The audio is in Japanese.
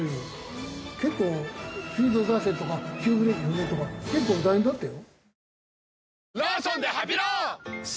結構「スピード出せ」とか「急ブレーキ踏め」とか結構大変だったよ。